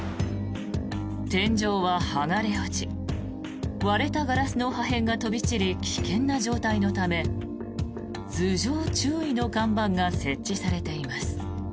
天情は剥がれ落ち割れたガラスの破片が飛び散り危険な状態のため頭上注意の看板が設置されています。